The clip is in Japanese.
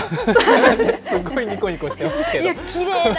すごいにこにこしてますけど。